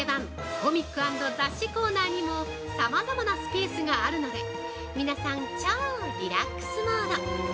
コミック＆雑誌コーナーにもさまざまなスペースがあるので皆さん、超リラックスモード！